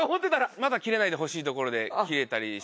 まだキレないでほしいところでキレたりしちゃって。